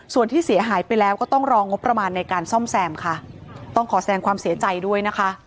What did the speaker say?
ส่วนที่เสียหายไปแล้วก็ต้องรองบประมาณในการซ่อมแซมค่ะต้องขอแสงความเสียใจด้วยนะคะ